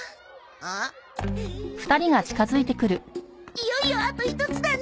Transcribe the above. いよいよあと１つだね！